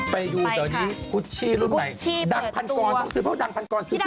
ไปดูตอนนี้คุชชี่รุ่นใหม่ดังพันกรต้องซื้อเพราะดังพันกรซื้อก่อน